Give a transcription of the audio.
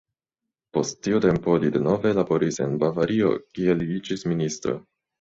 Post tiu tempo, li denove laboris en Bavario, kie li iĝis ministro.